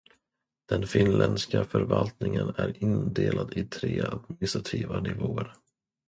Den finländska förvaltningen är indelad i tre administrativa nivåer.